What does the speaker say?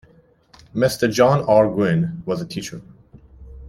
Mr. John R. Guin was a teacher.